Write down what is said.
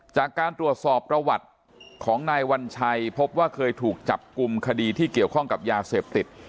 จากการตรวจสอบประวัติของนายวัญชัยพบว่าเคยถูกจับกลุ่มคดีที่เกี่ยวข้องกับยาเสพติด